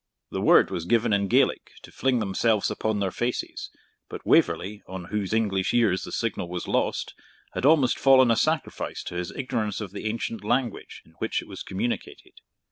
The word was given in Gaelic to fling themselves upon their faces; but Waverley, on whose English ears the signal was lost, had almost fallen a sacrifice to his ignorance of the ancient language in which it was communicated.